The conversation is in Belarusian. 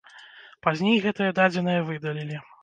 Пазней гэтыя дадзеныя выдалілі.